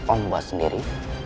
om buat sendiri